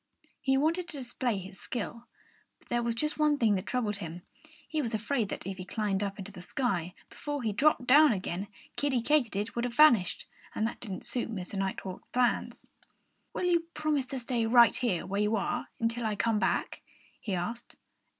He wanted to display his skill. But there was just one thing that troubled him. He was afraid that if he climbed up into the sky, before he dropped down again Kiddie Katydid would have vanished. And that didn't suit Mr. Nighthawk's plans. "Will you promise to stay right where you are until I come back?" he asked.